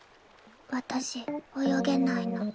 私泳げないの。